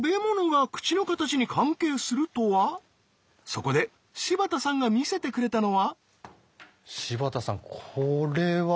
そこで柴田さんが見せてくれたのは。